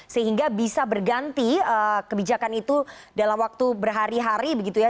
sehingga bisa berganti kebijakan itu dalam waktu berhari hari begitu ya